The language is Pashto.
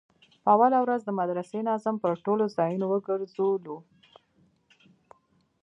په اوله ورځ د مدرسې ناظم پر ټولو ځايونو وگرځولو.